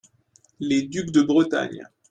les ducs de Bretagne.